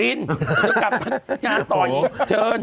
เดี๋ยวกลับมางานต่ออีกเชิญ